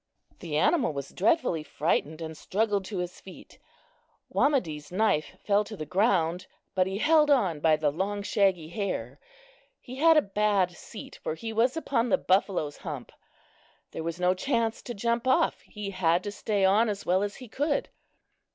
The animal was dreadfully frightened and struggled to his feet. Wamedee's knife fell to the ground, but he held on by the long shaggy hair. He had a bad seat, for he was upon the buffalo's hump. There was no chance to jump off; he had to stay on as well as he could.